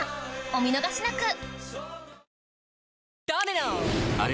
お見逃しなく！